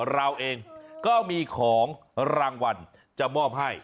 เราเองก็มีของรางวัลจะมอบให้